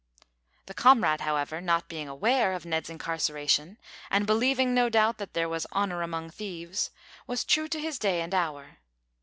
The comrade, however, not being aware of Ned's incarceration, and believing, no doubt, that there was honour among thieves, was true to his day and hour.